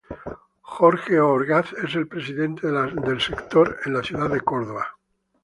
Jorge O. Orgaz es el presidente del sector en la ciudad de Córdoba.